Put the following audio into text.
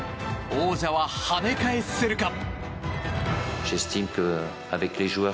王者は跳ね返せるか。